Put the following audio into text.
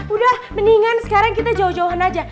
udah mendingan sekarang kita jauh jauhan aja